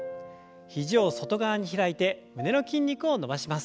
肘を外側に開いて胸の筋肉を伸ばします。